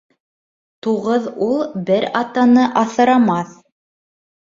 Туғыҙ ул бер атаны аҫырамаҫ.